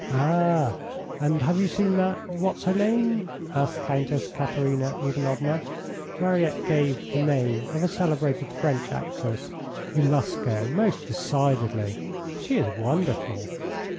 "Ah! And have you seen that What's her name?" asked Countess Katerina Ivanovna. Mariette gave the name of a celebrated French actress. "You must go, most decidedly; she is wonderful."